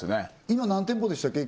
今何店舗でしたっけ